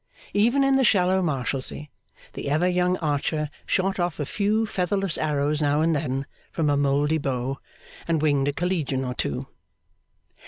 Even in the shallow Marshalsea, the ever young Archer shot off a few featherless arrows now and then from a mouldy bow, and winged a Collegian or two.